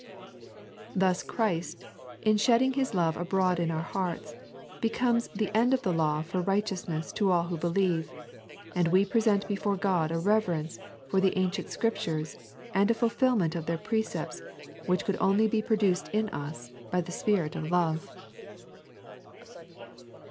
Thus Christ, in " shedding His love abroad in our heart," becomes the " end of the law for righteousness to all who believe ;" and we present before God a reverence for the ancient Scriptures, and a fulfilment of their precepts, which could only be produced in us by the Spirit of Love. 3.n.iized by Google 52 Chbist the Comflbtehbnt of Human Life.